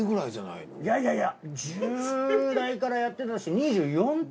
いやいや１０代からやってるとして。